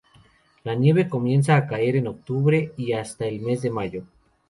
La nieve comienza a caer en octubre y hasta el mes de mayo.